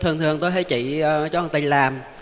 thường thường tôi hay chỉ cho người tình làm